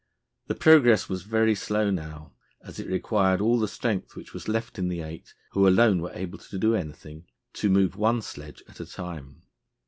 The progress was very slow now, as it required all the strength which was left in the eight, who alone were able to do anything, to move one sledge at a time.